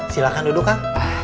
silahkan duduk kang